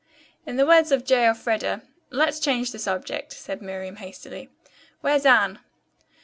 "In the words of J. Elfreda, 'let's change the subject,'" said Miriam hastily. "Where's Anne?"